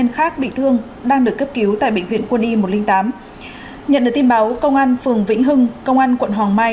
nhận được tin báo công an phường vĩnh hưng công an quận hòa mai